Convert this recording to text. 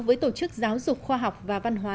với tổ chức giáo dục khoa học và văn hóa